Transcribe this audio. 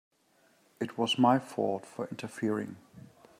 It was my fault for interfering.